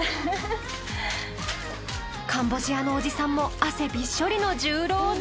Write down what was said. カンボジアのおじさんも汗びっしょりの重労働。